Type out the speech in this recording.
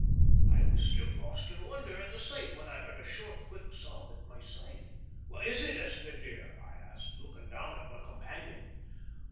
I was still lost in wonder at the sight when I heard a short, quick sob at my side. "What is it, Esther, dear?" I asked, looking down at my companion.